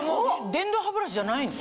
電動歯ブラシじゃないの？